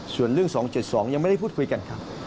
ส่วนเรื่อง๒๗๒ยังไม่ได้พูดคุยกันครับ